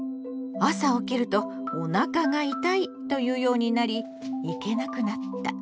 朝起きると「おなかが痛い」と言うようになり行けなくなった。